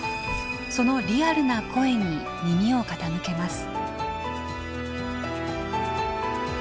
そのリアルな声に耳を傾けます。